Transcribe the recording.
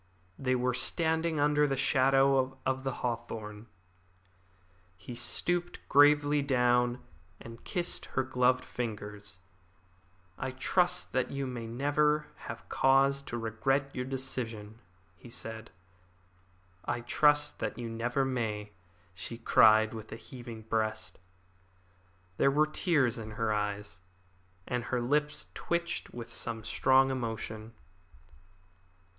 They were standing under the shadow of the hawthorn. He stooped gravely down, and kissed her glove covered fingers. "I trust that you may never have cause to regret your decision," he said. "I trust that you never may," she cried, with a heaving breast. There were tears in her eyes, and her lips twitched with some strong emotion.